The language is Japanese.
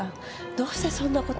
どうしてそんな事。